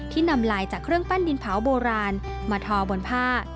นำลายจากเครื่องปั้นดินเผาโบราณมาทอบนผ้า